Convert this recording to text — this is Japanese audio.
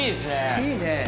いいね。